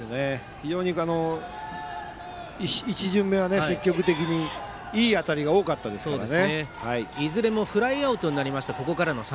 非常に１巡目は積極的にいい当たりが多かったですからね。